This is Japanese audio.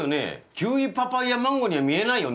キウイパパイヤマンゴーには見えないよね？